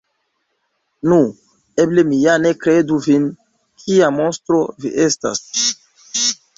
Nu, eble mi ja ne kredu vin! Kia monstro vi estas!